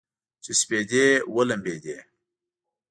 چې سپېدې ولمبیدې